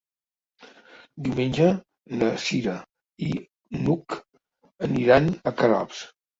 Diumenge na Cira i n'Hug aniran a Queralbs.